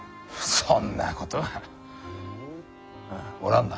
そんなことはうんおらんな。